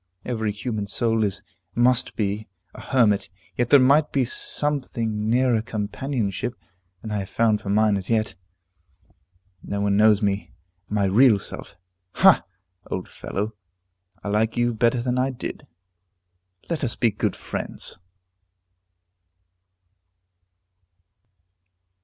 Every human soul is must be a hermit, yet there might be something nearer companionship than I have found for mine as yet. No one knows me. My real self Ha! old fellow, I like you better than I did; let us be good friends.